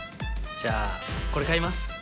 じゃあこれ買います。